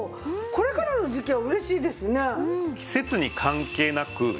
これからの時期は嬉しいですね。